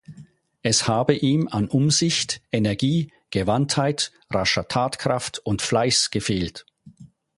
Es habe ihm an Umsicht, Energie, Gewandtheit, rascher Tatkraft und Fleiß gefehlt.